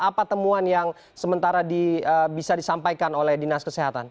apa temuan yang sementara bisa disampaikan oleh dinas kesehatan